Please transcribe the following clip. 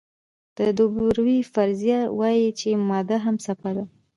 د دوبروی فرضیه وایي چې ماده هم څپه ده.